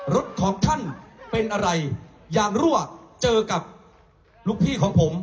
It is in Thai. รถของท่านเป็นอะไรอย่างรั่วเจอกับลูกพี่ของผม